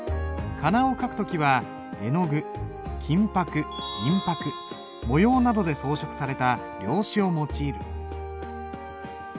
仮名を書く時は絵の具金ぱく銀ぱく模様などで装飾された料紙を用いる。